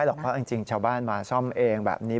หรอกเพราะจริงชาวบ้านมาซ่อมเองแบบนี้